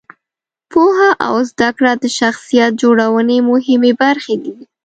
پوهه او زده کړه د شخصیت جوړونې مهمې برخې دي.